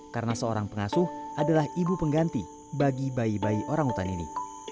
karena seorang pengasuh adalah ibu pengganti bagi bayi bayi orangutan ini